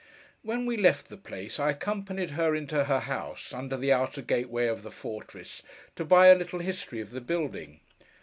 When we left the place, I accompanied her into her house, under the outer gateway of the fortress, to buy a little history of the building.